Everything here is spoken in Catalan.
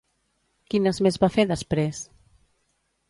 Quines més va fer, després?